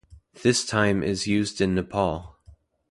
This time is used in Nepal.